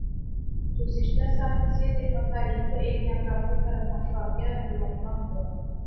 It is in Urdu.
گزشتہ سال اسی دن اور تاریخ کو ایک نا قابل فراموش واقعہ رونما ھوا